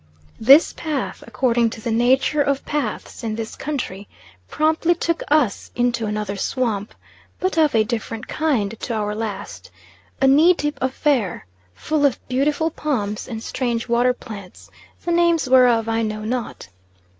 This path, according to the nature of paths in this country, promptly took us into another swamp, but of a different kind to our last a knee deep affair, full of beautiful palms and strange water plants, the names whereof I know not.